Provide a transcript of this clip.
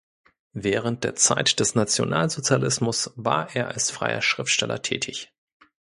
Während der Zeit des Nationalsozialismus war er als freier Schriftsteller tätig.